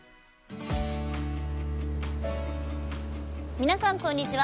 皆さんこんにちは。